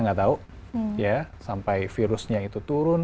nggak tahu ya sampai virusnya itu turun